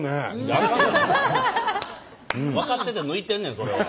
分かってて抜いてんねんそれは。